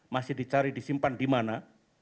masih dicari disimpan di mana